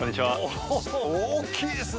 おー大きいですね！